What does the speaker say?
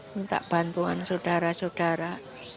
minta bantuan saudara saudara